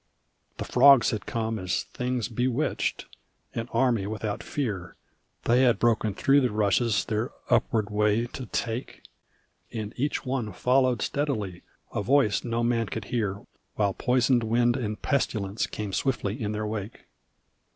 The frogs had come as things bewitched; an army without fear They had broken through the rushes their upward way to take; And each one followed steadily a voice no man could hear While poisoned wind and pestilence came swiftly in their wake.